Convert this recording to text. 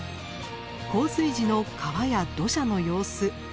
洪水時の川や土砂の様子